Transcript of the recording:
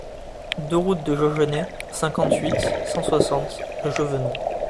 deux route de Jaugenay, cinquante-huit, cent soixante à Chevenon